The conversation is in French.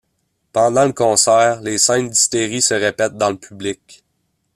Pendant le concert, les scènes d’hystérie se répètent dans le public.